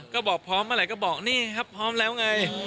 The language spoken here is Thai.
ก็บอกพร้อมเมื่อไหร่ก็บอกนี่ครับพร้อมแล้วไง